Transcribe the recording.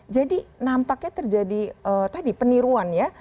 jadi nampaknya terjadi tadi peniruan ya